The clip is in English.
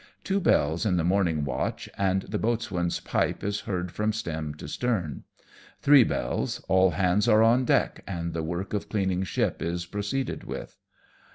Two bells in the morning watch, and the boatswain's pipe is heard from stem to stern. Three bells, all hands are on deck, and the work of cleaning ship is proceeded with.